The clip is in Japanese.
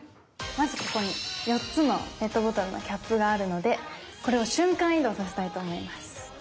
まずここに４つのペットボトルのキャップがあるのでこれを瞬間移動させたいと思います。